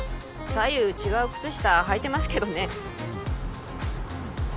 左右違う靴下はいてますけどね